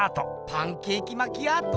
パンケーキマキアート？